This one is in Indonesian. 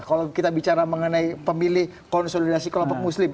kalau kita bicara mengenai pemilih konsolidasi kelompok muslim